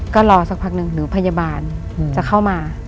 ก็รอสักพักหนึ่งหรือพยาบาลจะเข้ามา